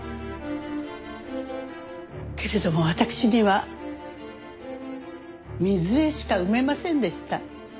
けれども私には瑞江しか産めませんでした。